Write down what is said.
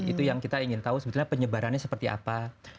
itu yang kita ingin tahu sebetulnya penyebarannya seperti apa